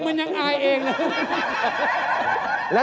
โอ้โฮ